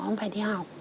em không có đi học